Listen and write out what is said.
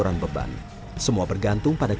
aslinya di jakarta ya pak